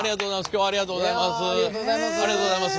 今日はありがとうございます。